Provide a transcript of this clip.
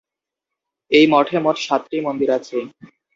এই মঠে মোট সাতটি মন্দির আছে।